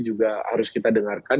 juga harus kita dengarkan